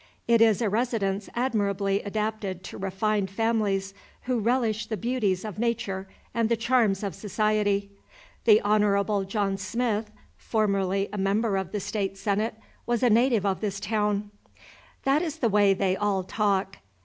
It is a residence admirably adapted to refined families who relish the beauties of Nature and the charms of society. The Honorable John Smith, formerly a member of the State Senate, was a native of this town." That is the way they all talk.